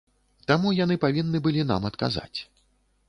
Таму яны павінны былі нам адказаць.